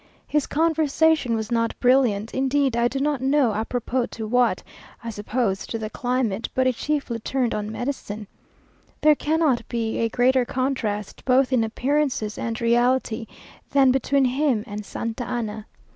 His conversation was not brilliant, indeed I do not know apropos to what, I suppose to the climate, but it chiefly turned on medicine. There cannot be a greater contrast, both in appearance and reality, than between him and Santa Anna.